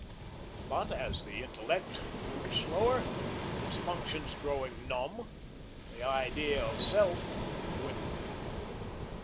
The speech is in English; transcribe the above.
But as the intellect moved slower, its functions growing numb, the idea of self dwindled.